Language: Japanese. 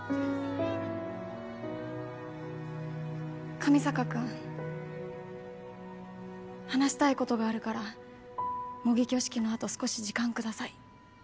上坂君話したいことがあるから模擬挙式のあと少し時間下さい。